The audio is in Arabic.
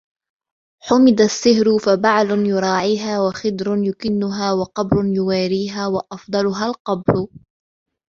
حُمِدَ الصِّهْرُ فَبَعْلٌ يُرَاعِيهَا وَخِدْرٌ يُكِنُّهَا وَقَبْرٌ يُوَارِيهَا وَأَفْضَلُهَا الْقَبْرُ